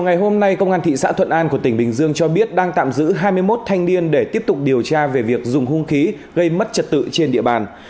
ngày hôm nay công an thị xã thuận an của tỉnh bình dương cho biết đang tạm giữ hai mươi một thanh niên để tiếp tục điều tra về việc dùng hung khí gây mất trật tự trên địa bàn